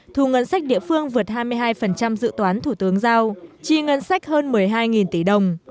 thu ngân sách địa phương vượt hai mươi hai dự toán thủ tướng giao chi ngân sách hơn một mươi hai tỷ đồng